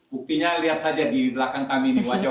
buktinya lihat saja di belakang kami ini wajah wajah